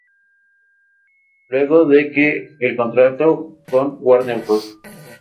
Luego de que el contrato con "Warner Bros.